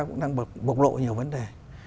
cũng đang bộc lộ nhiều vấn đề